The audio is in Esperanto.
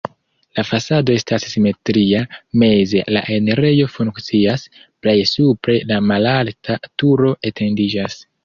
La fasado estas simetria, meze la enirejo funkcias, plej supre la malalta turo etendiĝas.